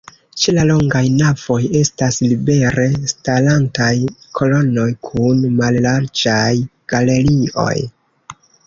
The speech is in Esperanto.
Ĉe la longaj navoj estas libere starantaj kolonoj kun mallarĝaj galerioj.